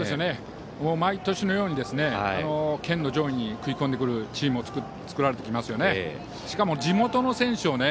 毎年のように県の上位に食い込んでくるチームを作られてきましたね。